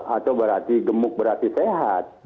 atau berarti gemuk berarti sehat